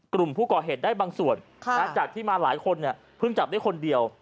กลุ่มผู้ก่อเหตุได้บางส่วนจากที่มาหลายคนเพิ่งจับได้คนเดียว